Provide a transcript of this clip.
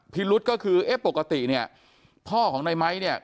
รุธก็คือเอ๊ะปกติเนี่ยพ่อของในไม้เนี่ย